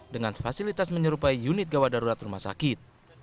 dengan fasilitas menyerupai unit gawat darurat rumah sakit